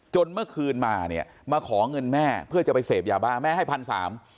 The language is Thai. เมื่อคืนมาเนี่ยมาขอเงินแม่เพื่อจะไปเสพยาบ้าแม่ให้พันสาม